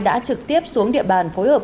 đã trực tiếp xuống địa bàn phối hợp